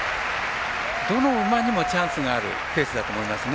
どの馬にもチャンスがあるペースだと思いますね。